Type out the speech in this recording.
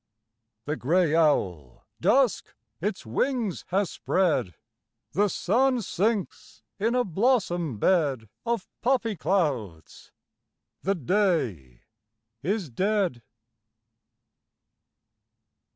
The gray owl Dusk its wings has spread ; The sun sinks in a blossom bed Of poppy clouds ; the day is dead.